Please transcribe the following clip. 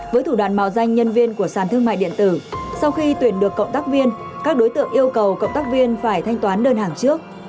với thủ đoạn mạo danh nhân viên của sàn thương mại điện tử sau khi tuyển được cộng tác viên các đối tượng yêu cầu cộng tác viên phải thanh toán đơn hàng trước